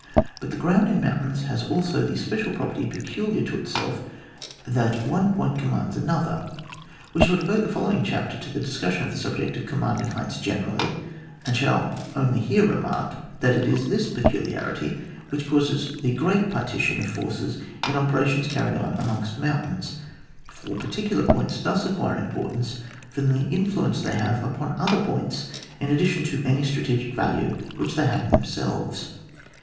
But the ground in mountains has also the special property peculiar to itself, that one point commands another. We shall devote the following chapter to the' discussion of the subject of commanding heights generally, and shall only here remark that it is this peculiarity which causes the great parti tion of forces in operations carried on amongst mountains, for particular points thus acquire importance from the influ ence they have upon other points in ad dition to any intrinsic value which they have in themselves.